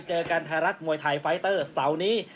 เจอกันไทยรัฐมวยไทยไฟเตอร์เสาร์นี้